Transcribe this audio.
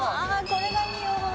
これがいいよ・